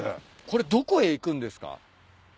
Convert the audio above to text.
これどこへ行くんですか？